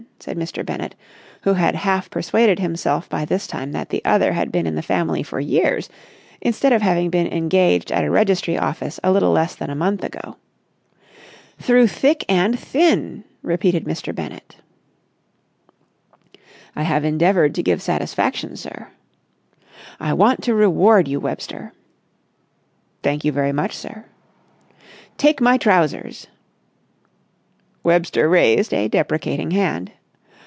said Mr. Bennett, who had half persuaded himself by this time that the other had been in the family for years instead of having been engaged at a registry office a little less than a month ago. "Through thick and thin!" repeated Mr. Bennett. "I have endeavoured to give satisfaction, sir." "I want to reward you, Webster." "Thank you very much, sir." "Take my trousers!" Webster raised a deprecating hand.